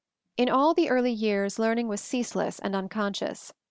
In all the early years learning was cease less and unconscious.